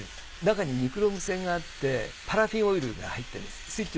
中にニクロム線があってパラフィンオイルが入ってるんです。